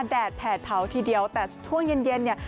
แดดแผดเผาทีเดียวแต่ช่วงเย็นเย็นเนี่ย